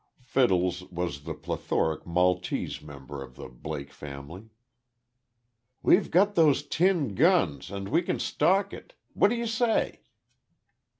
Fiddles was the plethoric Maltese member of the Blake family. "We've got those tin guns, and we can stalk it. What do you say?"